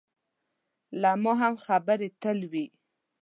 له ما هم خبرې تل وي.